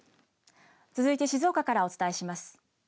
続いて静岡からお伝えします。